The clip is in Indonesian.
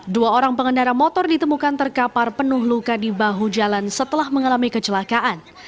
dua orang pengendara motor ditemukan terkapar penuh luka di bahu jalan setelah mengalami kecelakaan